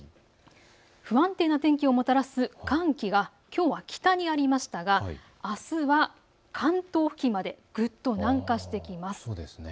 不安定な天気をもたらす寒気がきょうは北にありましたがあすは関東付近までぐっと南下してきます。